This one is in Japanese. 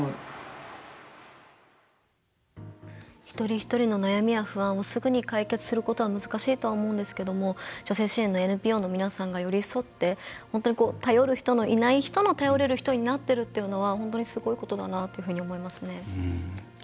一人一人の悩みや不安をすぐに解決することは難しいとは思うんですけども女性支援のＮＰＯの皆さんが寄り添って本当に頼る人のいない人の頼れる人になっているというのは本当にすごいことだなと思います。